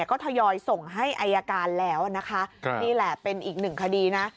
ก็ทยอยส่งให้อายการแล้วนะคะนี่แหละเป็นอีกหนึ่งคดีนะ